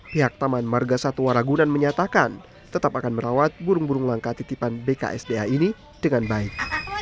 pihak taman marga satwa ragunan menyatakan tetap akan merawat burung burung langka titipan bksda ini dengan baik